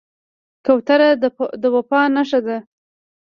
کوتره د وفا نښه ده.